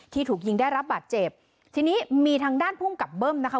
ถูกยิงได้รับบาดเจ็บทีนี้มีทางด้านภูมิกับเบิ้มนะคะ